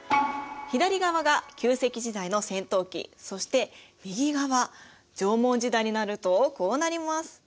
左側が旧石器時代の尖頭器そして右側縄文時代になるとこうなります。